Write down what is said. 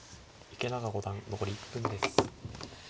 池永五段残り１分です。